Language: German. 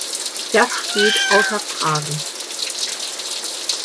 Das steht außer Frage.